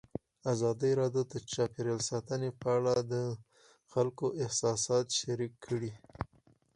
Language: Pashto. ازادي راډیو د چاپیریال ساتنه په اړه د خلکو احساسات شریک کړي.